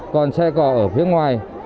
còn xe cò ở phía ngoài